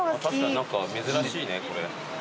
確かに何か珍しいねこれ。